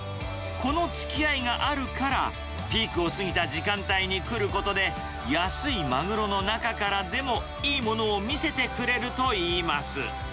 このつきあいがあるから、ピークを過ぎた時間帯に来ることで、安いマグロの中からでもいいものを見せてくれるといいます。